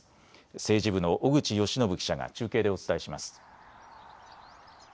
政治部の小口佳伸記者が中継でお伝えします。